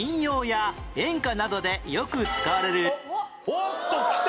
おっときた！